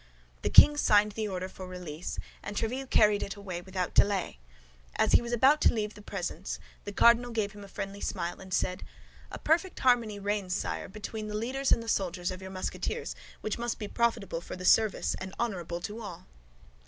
The king signed the order for release, and Tréville carried it away without delay. As he was about to leave the presence, the cardinal gave him a friendly smile, and said, "A perfect harmony reigns, sire, between the leaders and the soldiers of your Musketeers, which must be profitable for the service and honorable to all."